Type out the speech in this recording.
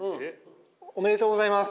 おめでとうございます。